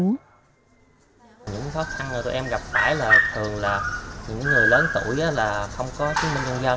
những khó khăn mà tụi em gặp phải là thường là những người lớn tuổi không có chứng minh nhân dân